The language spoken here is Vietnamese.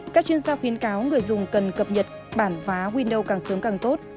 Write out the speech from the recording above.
các chuyên gia khuyến cáo người dùng cần cập nhật bản phá windows càng sớm càng tốt